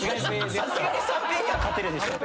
さすがに三平には勝てるでしょ。